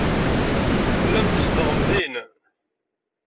Tellam tzedɣem din.